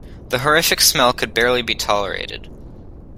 The horrific smell could barely be tolerated.